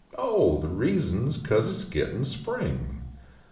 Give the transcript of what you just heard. Oh, the reason s cause it s gittin spring.